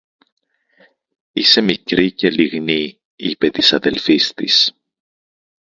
Είσαι μικρή και λιγνή, είπε της αδελφής της